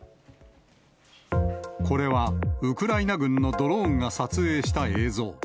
これは、ウクライナ軍のドローンが撮影した映像。